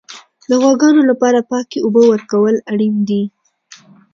د غواګانو لپاره پاکې اوبه ورکول اړین دي.